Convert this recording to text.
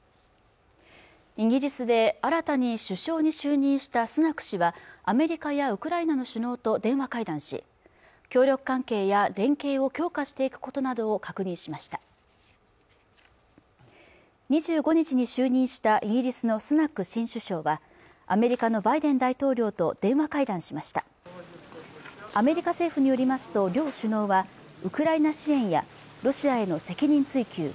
イギリスで新たに首相に就任したスナク氏はアメリカやウクライナの首脳と電話会談し協力関係や連携を強化していくことなどを確認しました２５日に就任したイギリスのスナク新首相はアメリカのバイデン大統領と電話会談しましたアメリカ政府によりますと両首脳はウクライナ支援やロシアへの責任追及